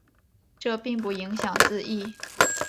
这并不影响字义。